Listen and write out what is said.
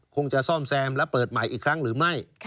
คงจะซ่อมแซมและเปิดใหม่อีกครั้งหรือไม่